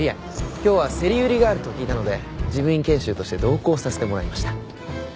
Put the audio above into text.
今日は競り売りがあると聞いたので事務員研修として同行させてもらいました。